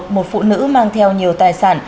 một phụ nữ mang theo nhiều tài sản